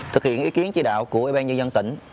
thực hiện ý kiến chỉ đạo của ủy ban nhân dân tỉnh